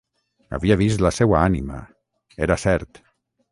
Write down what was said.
Havia vist la seua ànima; era cert.